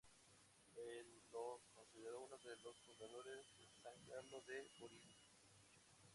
Se lo consideró un de los fundadores de San Carlos de Bariloche.